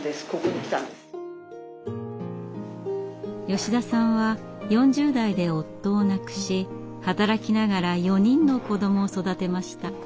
吉田さんは４０代で夫を亡くし働きながら４人の子どもを育てました。